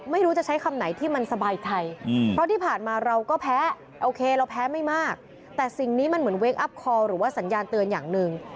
หรือว่าสัญญาณเตือนอย่างหนึ่ง